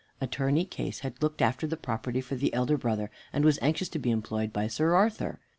Attorney Case had looked after the property for the elder brother, and was anxious to be employed by Sir Arthur.